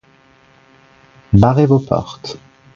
Barrez vos portes